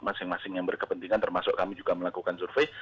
masing masing yang berkepentingan termasuk kami juga melakukan survei